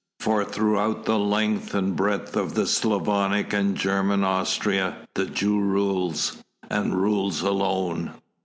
For throughout the length and breadth of Slavonic and German Austria the Jew rules, and rules alone.